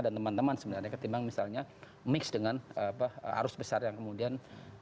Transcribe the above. dan teman teman sebenarnya ketimbang misalnya mix dengan arus besar yang kemudian